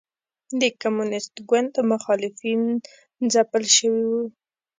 د کمونېست ګوند مخالفین ځپل شوي وو.